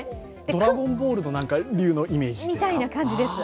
「ドラゴンボール」の竜のイメージですか。